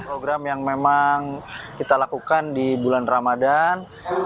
program yang memang kita lakukan di bulan ramadan